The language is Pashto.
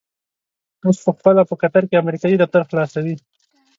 اوس په خپله په قطر کې امريکايي دفتر خلاصوي.